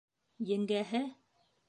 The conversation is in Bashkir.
Еңгәһе: